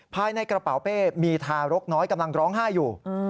ภายในกระเป๋าเป้มีทารกน้อยกำลังร้องไห้อยู่